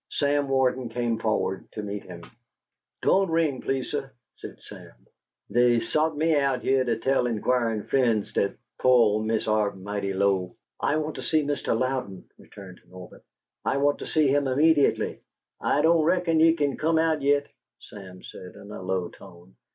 Sam Warden came forward to meet him. "Don't ring, please, suh," said Sam. "Dey sot me out heah to tell inquirin' frien's dat po' ole Mist' Arp mighty low." "I want to see Mr. Louden," returned Norbert. "I want to see him immediately." "I don' reckon he kin come out yit," Sam said, in a low tone.